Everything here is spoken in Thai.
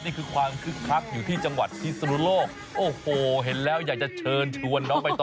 นี่คือความคึกคักอยู่ที่จังหวัดพิศนุโลกโอ้โหเห็นแล้วอยากจะเชิญชวนน้องไปต่อ